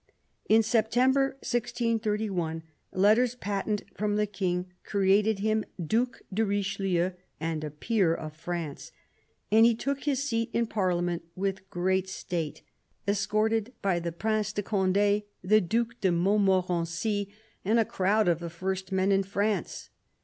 In September 163 1 letters patent from the King created lim Due de Richelieu and a peer of France, and he took his leat in Parliament with great state, escorted by the Prince 222 CARDINAL DE RICHELIEU de Conde, the Due de Montmorency, and a crowd of the first men in France.